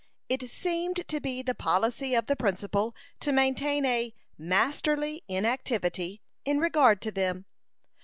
It seemed to be the policy of the principal to maintain a "masterly inactivity" in regard to them.